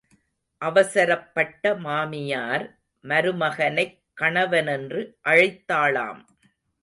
அவசரப்பட்ட மாமியார் மருமகனைக் கணவனென்று அழைத்தாளாம்.